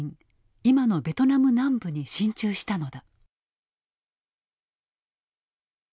今のベトナム南部に進駐したのだ。